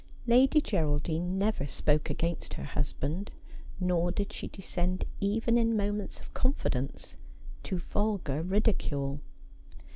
Lady Geraldine never spoke against her husband : nor did she descend even in moments of confidence to vulgar ridicule.